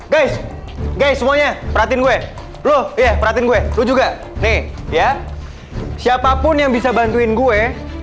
guys guys semuanya perhatiin gue lu perhatiin gue juga nih ya siapapun yang bisa bantuin gue